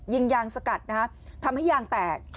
ยิงยางสกัดนะฮะทำให้ยางแตก